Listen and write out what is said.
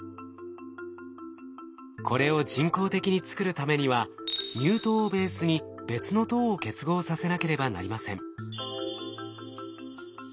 これを人工的に作るためには乳糖をベースに別の糖を結合させなければなりません。